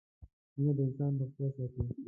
مينه د انسان روغتيا ساتي